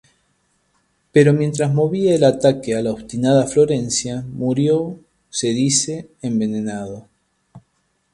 Pero mientras movía el ataque a la obstinada Florencia, murió, se dice, envenenado.